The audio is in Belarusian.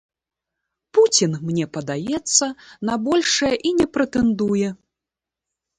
Пуцін, мне падаецца, на большае і не прэтэндуе.